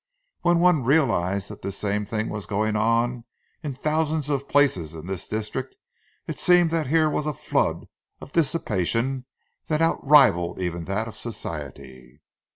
When one realized that this same thing was going on in thousands of places in this district it seemed that here was a flood of dissipation that out rivalled even that of Society.